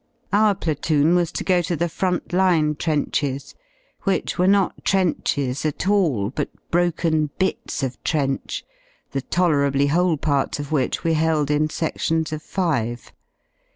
Our platoon was to go to the front line trenches, which were not trenches at all, but broken bits of trench, the tolerably whole parts of which we held in sedions of five.